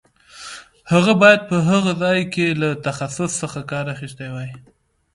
هغه باید په هغه ځای کې له تخصص څخه کار اخیستی وای.